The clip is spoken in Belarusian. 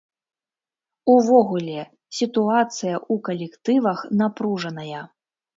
Увогуле, сітуацыя ў калектывах напружаная.